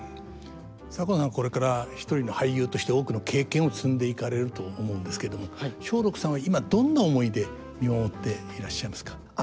左近さんはこれから一人の俳優として多くの経験を積んでいかれると思うんですけれども松緑さんは今どんな思いで見守っていらっしゃいますか？